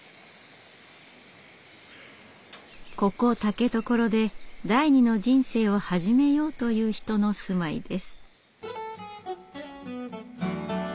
ここ竹所で第二の人生を始めようという人の住まいです。